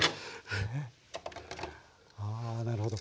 あなるほど。